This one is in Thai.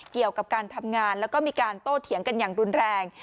เกี่ยวกับการทำงานแล้วก็มีการโต้เถียงกันอย่างรุนแรง